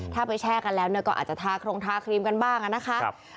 ถ้าไปแช่กันแล้วก็อาจจะทาโครงทาครีมกันบ้างนะครับ